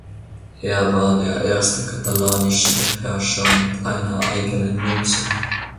Er war der erste katalanische Herrscher mit einer eigenen Münze.